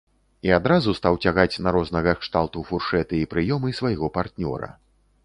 І адразу стаў цягаць на рознага кшталту фуршэты і прыёмы свайго партнёра.